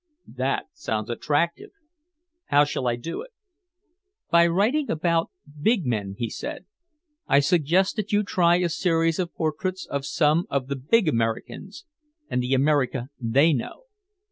"That sounds attractive. How shall I do it?" "By writing about big men," he said. "I suggest that you try a series of portraits of some of the big Americans and the America they know."